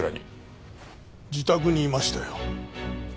自宅にいましたよ。